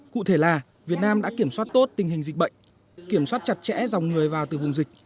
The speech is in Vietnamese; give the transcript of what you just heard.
cụ thể là việt nam đã kiểm soát tốt tình hình dịch bệnh kiểm soát chặt chẽ dòng người vào từ vùng dịch